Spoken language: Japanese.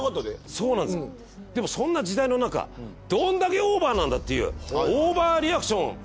でもそんな時代のなかどんだけオーバーなんだっていうオーバーリアクション